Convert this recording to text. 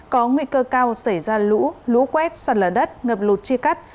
có nguy cơ cao xảy ra lũ lũ quét sạt lở đất ngập lụt chia cắt